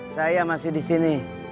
saya masih di sini